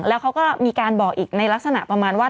แล้วเขาก็มีการบอกอีกในลักษณะประมาณว่า